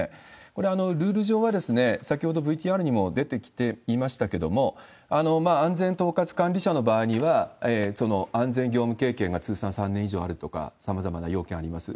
これ、ルール上は、先ほどＶＴＲにも出てきていましたけれども、安全統括管理者の場合には、安全業務経験が通算３年以上あるとか、さまざまな要件あります。